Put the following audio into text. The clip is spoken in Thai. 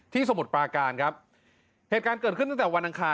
สมุทรปราการครับเหตุการณ์เกิดขึ้นตั้งแต่วันอังคาร